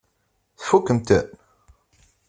Tfukkemt-ten?